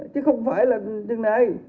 chứ không phải là như thế này